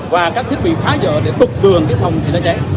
và các thiết bị phá dở để tục tường cái phòng cháy